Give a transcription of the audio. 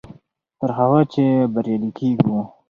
تر هغه چې بریالي کېږو.